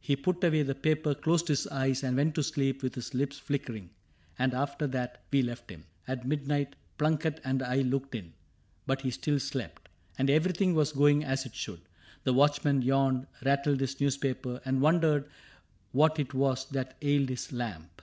He put away the paper, closed his eyes. And went to sleep with his lips flickering ; And after that we left him. — At midnight Plunket and I looked in ; but he still slept. And everything was going as it should. The watchman yawned, rattled his newspaper. And wondered what it was that ailed his lamp.